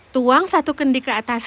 tuang satu kendi ke atas